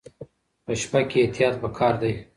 په شپه کې احتیاط پکار دی.